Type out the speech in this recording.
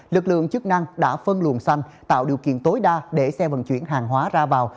lực lượng chức năng đã phân luồng xanh tạo điều kiện tối đa để xe vận chuyển hàng hóa ra vào